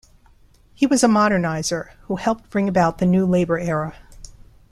He was a moderniser who helped bring about the New Labour era.